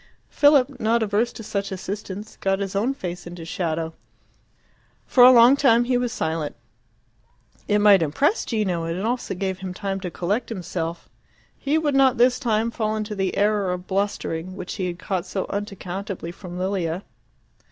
Philip, not averse to such assistance, got his own face into shadow. For a long time he was silent. It might impress Gino, and it also gave him time to collect himself. He would not this time fall into the error of blustering, which he had caught so unaccountably from Lilia.